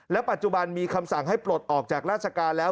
ปัจจุบันมีคำสั่งให้ปลดออกจากราชการแล้ว